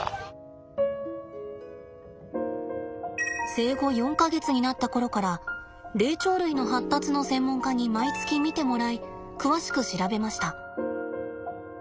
生後４か月になった頃から霊長類の発達の専門家に毎月見てもらい詳しく調べました。